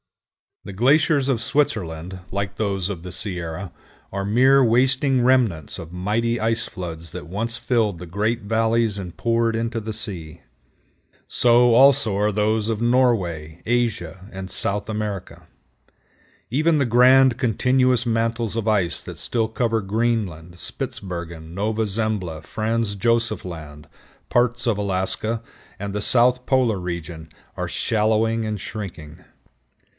The glaciers of Switzerland, like those of the Sierra, are mere wasting remnants of mighty ice floods that once filled the great valleys and poured into the sea. So, also, are those of Norway, Asia, and South America. Even the grand continuous mantles of ice that still cover Greenland, Spitsbergen, Nova Zembla, Franz Joseph Land, parts of Alaska, and the south polar region are shallowing and shrinking.